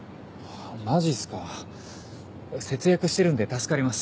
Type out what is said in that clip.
マジっすか節約してるんで助かります。